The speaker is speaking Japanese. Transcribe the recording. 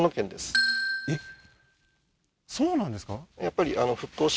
えっそうなんですか？